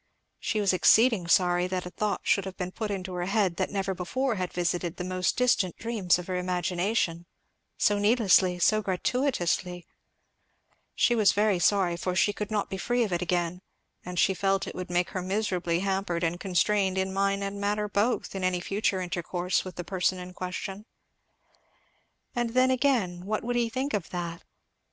she was exceeding sorry that a thought should have been put into her head that never before had visited the most distant dreams of her imagination, so needlessly, so gratuitously; she was very sorry, for she could not be free of it again, and she felt it would make her miserably hampered and constrained in mind and manner both, in any future intercourse with the person in question. And then again what would he think of that?